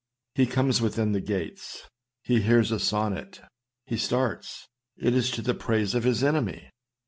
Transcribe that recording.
He comes within the gates. He hears a sonnet. He starts! It is to the praise of his enemy.